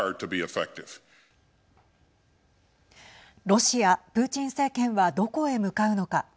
ロシア、プーチン政権はどこへ向かうのか。